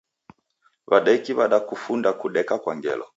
W'adeki w'adakufunda kudeka kwa ngelo.